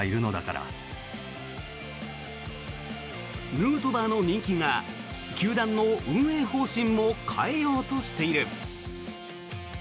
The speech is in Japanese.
ヌートバーの人気が球団の運営方針も変えようとしている。